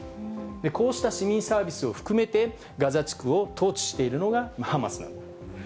こうした市民サービスを含めて、ガザ地区を統治しているのがハマスなんです。